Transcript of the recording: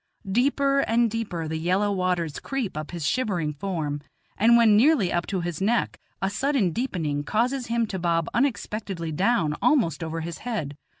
Deeper and deeper the yellow waters creep up his shivering form, and when nearly up to his neck, a sudden deepening causes him to bob unexpectedly down almost over his head.